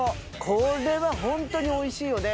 これはホントにおいしいよね。